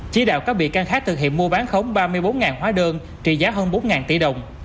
chỉ đạo các bị can khác thực hiện mua bán khống ba mươi bốn hóa đơn trị giá hơn bốn tỷ đồng